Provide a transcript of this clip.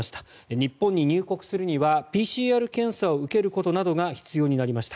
日本に入国するにはＰＣＲ検査を受けることなどが必要になりました。